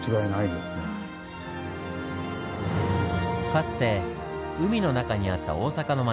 かつて海の中にあった大阪の町。